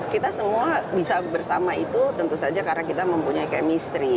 kita semua bisa bersama itu tentu saja karena kita mempunyai chemistry